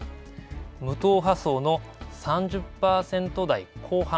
無党派層の３０％台後半。